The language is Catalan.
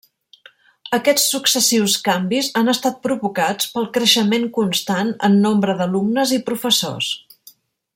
Aquests successius canvis han estat provocats pel creixement constant en nombre d'alumnes i professors.